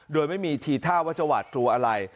โดยไม่มีทีท่าวจวัตรตัวอะไร